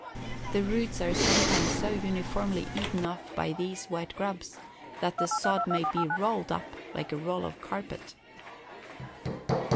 The roots are sometimes so uniformly eaten off by these white grubs that the sod may be rolled up like a roll of carpet.